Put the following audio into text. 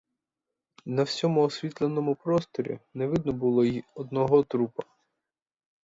На всьому освітленому просторі не видно було й одного трупа.